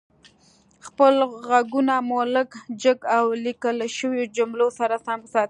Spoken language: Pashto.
خپل غږونه مو لږ جګ او ليکل شويو جملو سره سم ساتئ